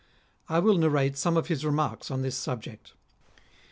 I will narrate some of his remarks on this subject.